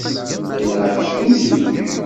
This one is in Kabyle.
Ɣileɣ kečč d imsujji.